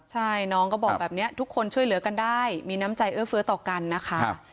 ใช่น้องก็บอกแบบนี้ทุกคนช่วยเหลือกันได้มีน้ำใจเอื้อเฟื้อต่อกันนะคะ